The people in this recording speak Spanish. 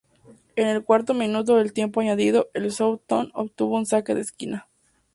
En el cuarto minuto del tiempo añadido, el Southampton obtuvo un saque de esquina.